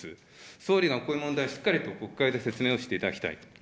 総理がこの問題、しっかりと国会で説明をしていただきたい。